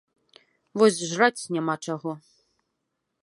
Вось жраць няма чаго.